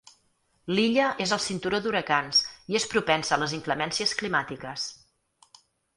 L'illa és al cinturó d'huracans i és propensa a les inclemències climàtiques.